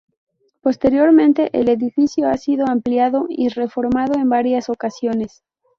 Posteriormente el edificio ha sido ampliado y reformado en varias ocasiones.